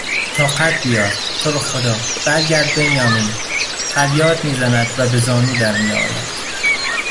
طاقت بیار تورو خدا برگرد بنیامین فریاد میزند و به زانو درمیآید